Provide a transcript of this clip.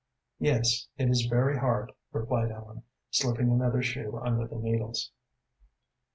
"Yes, it is very hard," replied Ellen, slipping another shoe under the needles.